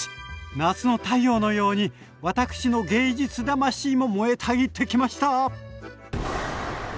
夏の太陽のように私の芸術魂も燃えたぎってきました。